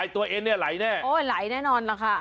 ตัวเองเนี่ยไหลแน่โอ้ยไหลแน่นอนล่ะค่ะ